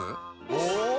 お！